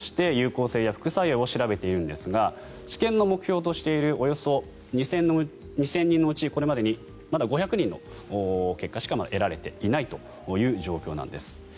１日１回、５日間服用して有効性や副作用を調べているんですが治験の目標としているおよそ２０００人のうちこれまでにまだ５００人の結果しか得られていないという状況なんです。